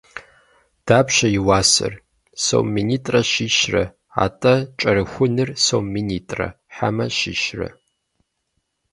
Дапщэ и уасэр? Сом минитӏрэ щищрэ. Атӏэ, кӏэрыхуныр сом минитӏра, хьэмэ щищра?